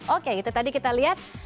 oke itu tadi kita lihat